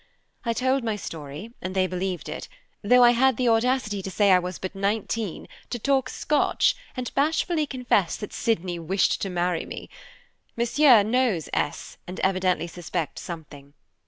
I told my story, and they believed it, though I had the audacity to say I was but nineteen, to talk Scotch, and bashfully confess that Sydney wished to marry me. Monsieur knows S. and evidently suspects something.